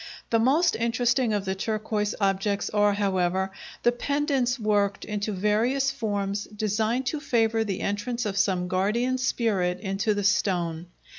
The most interesting of the turquoise objects are, however, the pendants worked into various forms designed to favor the entrance of some guardian spirit into the stone.